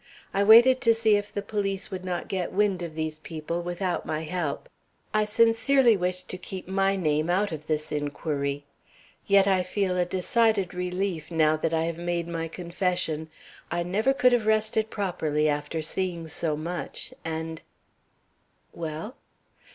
I waited to see if the police would not get wind of these people without my help. I sincerely wished to keep my name out of this inquiry. Yet I feel a decided relief now that I have made my confession. I never could have rested properly after seeing so much, and " "Well?"